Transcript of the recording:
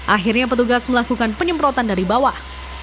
akhirnya petugas melakukan penyemprotan dari bawah